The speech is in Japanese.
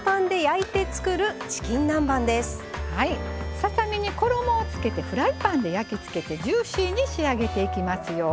ささ身に衣をつけてフライパンで焼き付けてジューシーに仕上げていきますよ。